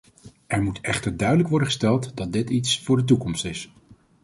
Er moet echter duidelijk worden gesteld dat dit iets voor de toekomst is.